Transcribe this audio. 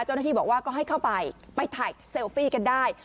เจ้าหน้าที่บอกว่าก็ให้เข้าไปไปถ่ายเซลฟี่กันได้